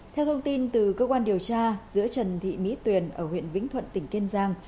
theo thông tin từ cơ quan điều tra giữa trần thị mỹ tuyền ở huyện vĩnh thuận tỉnh kiên giang